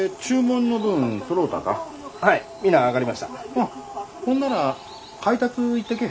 うんほんなら配達行ってけえ。